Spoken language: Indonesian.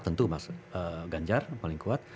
tentu mas ganjar yang paling kuat